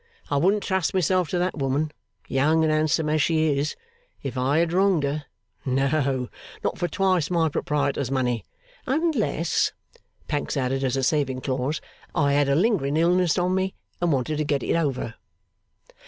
I wouldn't trust myself to that woman, young and handsome as she is, if I had wronged her; no, not for twice my proprietor's money! Unless,' Pancks added as a saving clause, 'I had a lingering illness on me, and wanted to get it over.